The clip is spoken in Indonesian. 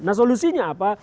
nah solusinya apa